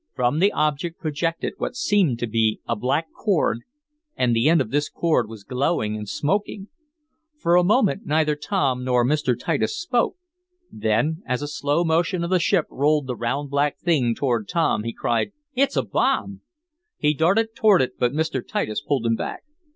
From the object projected what seemed to be a black cord, and the end of this cord was glowing and smoking. For a moment neither Tom nor Mr. Titus spoke. Then, as a slow motion of the ship rolled the round black thing toward Tom, he cried: "It a bomb!" He darted toward it, but Mr. Titus pulled him back.